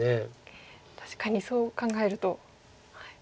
確かにそう考えると。